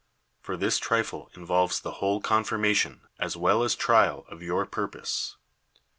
For this trifle involves the whole confirmation, as well as trial, of your purpose.